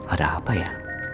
ada apa ya